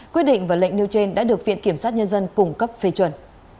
quyết định và lệnh nêu trên đã được viện kiểm sát nhân dân cung cấp phê chuẩn